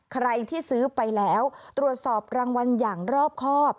ใครที่ซื้อไปแล้วตรวจสอบรางวัลอย่างรอบครอบ